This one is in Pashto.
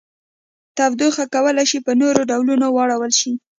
تودوخه کولی شي په نورو ډولونو واړول شي.